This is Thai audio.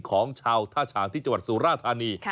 ของชาวท่าฉางที่จังหวัดสุราธานี